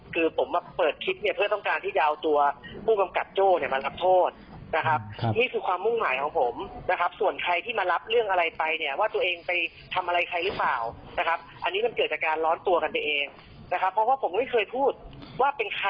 คือผมมาเปิดคลิปเพื่อต้องการที่จะเอาตัว